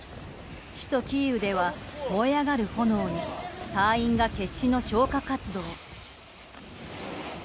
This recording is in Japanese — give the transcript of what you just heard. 首都キーウでは、燃え上がる炎に隊員が決死の消火活動。